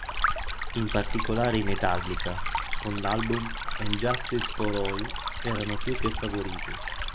In particolare i Metallica, con l'album "...And Justice for All" erano più che favoriti.